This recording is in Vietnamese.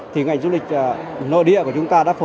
thì ngành du lịch nội địa của chúng ta